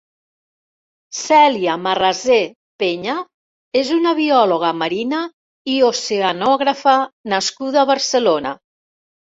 Cèlia Marrasé Peña és una biòloga marina i oceanògrofa nascuda a Barcelona.